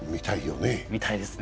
見たいですね。